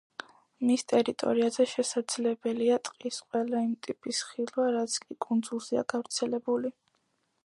მის ტერიტორიაზე შესაძლებელია ტყის ყველა იმ ტიპის ხილვა, რაც კი კუნძულზეა გავრცელებული.